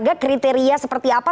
pengamat olahraga kriteria seperti apa